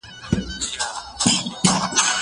زه اوس درسونه لوستل کوم!!